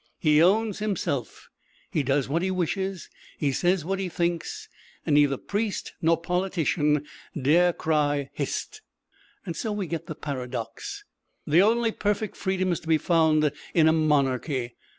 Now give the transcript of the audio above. He owns himself he does what he wishes, he says what he thinks, and neither priest nor politician dare cry, hist! So we get the paradox: the only perfect freedom is to be found in a monarchy.